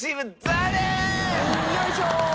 よいしょ！